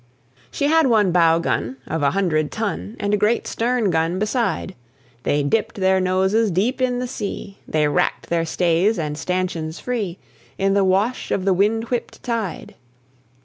She had one bow gun of a hundred ton, And a great stern gun beside; They dipped their noses deep in the sea, They racked their stays and stanchions free In the wash of the wind whipped tide.